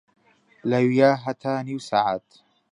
لەویا هەتا نیو سەعات